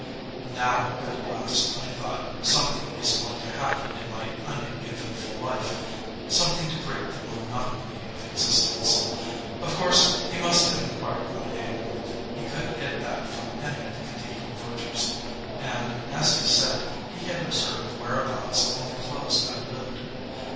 Now at last, I thought, something is going to happen in my uneventful life something to break the monotony of existence. Of course, he must have inquired my name he could get that from any of the cathedral vergers and, as he said, he had observed whereabouts in the close I lived.